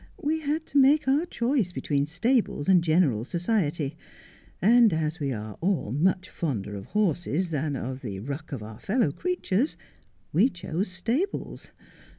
We had to make our choice between stables and general society ; and as we are all much fonder of horses than of the ruck of our fellow creatures, we chose stables.